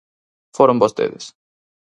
Foron vostedes.